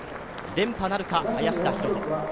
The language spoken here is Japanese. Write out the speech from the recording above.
連覇なるか、林田洋翔。